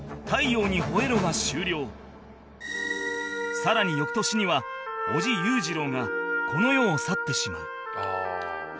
さらに翌年には叔父裕次郎がこの世を去ってしまう